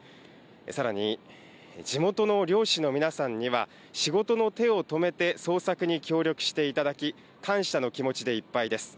さらに、地元の漁師の皆さんには仕事の手を止めて、捜索に協力していただき、感謝の気持ちでいっぱいです。